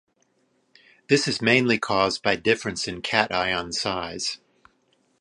This is mainly caused by difference in cation size.